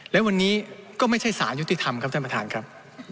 และวันนี้ก็ไม่ใช่สารยุติธรรมครับท่านประธานครับ